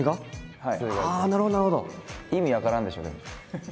はい。